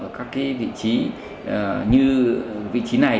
ở các vị trí như vị trí này